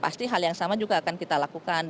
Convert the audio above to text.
pasti hal yang sama juga akan kita lakukan